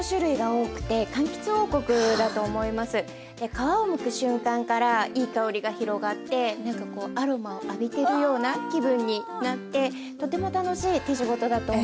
皮をむく瞬間からいい香りが広がってなんかこうアロマを浴びてるような気分になってとても楽しい手仕事だと思います。